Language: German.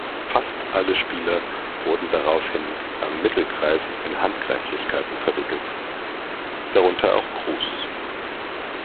Fast alle Spieler wurden daraufhin am Mittelkreis in Handgreiflichkeiten verwickelt, darunter auch Cruz.